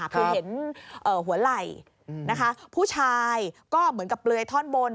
คือเห็นหัวไหล่นะคะผู้ชายก็เหมือนกับเปลือยท่อนบน